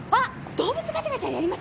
動物ガチャガチャやりません？